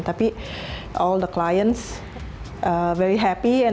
tapi semua klien sangat senang